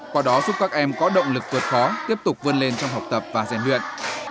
qua đó giúp các em có động lực vượt khó tiếp tục vươn lên trong học tập và giàn luyện